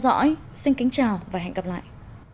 dõi xin kính chào và hẹn gặp lại